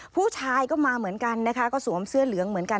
ผู้ชายก็มาเหมือนกันนะคะก็สวมเสื้อเหลืองเหมือนกัน